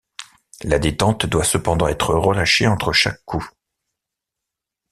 La détente doit cependant être relâchée entre chaque coup.